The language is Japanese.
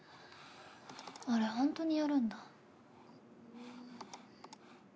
あれほんとにやるんだ。